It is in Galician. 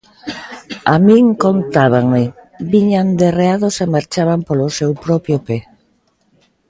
A min contábanme: 'Viñan derreados e marchaban polo seu propio pé'.